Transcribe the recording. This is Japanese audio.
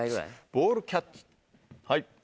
ボールキャッチはい。